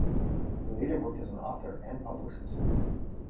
He later worked as an author and publicist.